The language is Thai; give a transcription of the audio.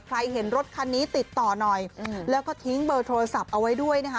เห็นรถคันนี้ติดต่อหน่อยแล้วก็ทิ้งเบอร์โทรศัพท์เอาไว้ด้วยนะคะ